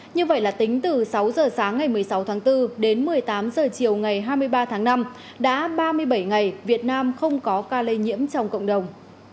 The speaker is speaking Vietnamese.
như vậy là tính từ sáu giờ sáng ngày một mươi sáu tháng bốn đến một mươi tám h chiều ngày hai mươi ba tháng năm đã ba mươi bảy ngày việt nam không có ca lây nhiễm trong cộng đồng